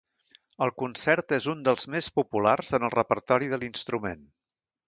El concert és un dels més populars en el repertori de l'instrument.